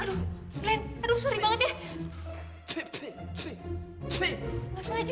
aduh klan aduh sorry banget ya